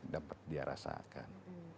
dapat dia rasakan